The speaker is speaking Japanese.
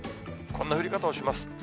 こんな降り方をします。